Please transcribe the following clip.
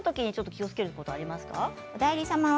気をつけるところもありますか。